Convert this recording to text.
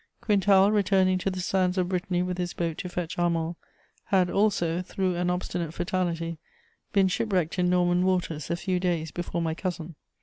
Quintal, returning to the sands of Brittany with his boat to fetch Armand, had also, through an obstinate fatality, been shipwrecked in Norman waters a few days before my cousin.